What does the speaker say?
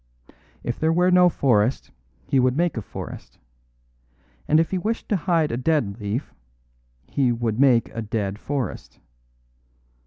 "If there were no forest, he would make a forest. And if he wished to hide a dead leaf, he would make a dead forest."